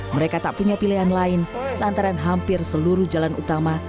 mereka tak punya pilihan lain lantaran hampir seluruh jalan utama